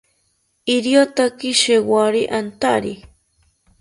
Iriotaki shewori antari